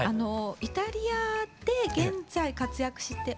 イタリアで現在活躍しております